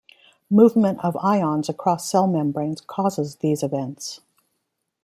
Movement of ions across cell membranes causes these events.